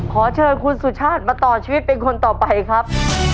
ขอเชิญคุณสุชาติมาต่อชีวิตเป็นคนต่อไปครับ